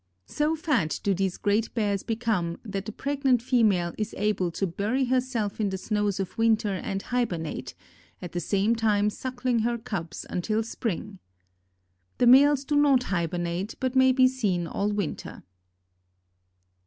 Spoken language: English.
So fat do these great bears become that the pregnant female is able to bury herself in the snows of winter and hibernate, at the same time suckling her cubs until spring. The males do not hibernate, but may be seen all winter.